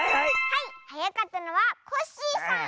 はいはやかったのはコッシーさん！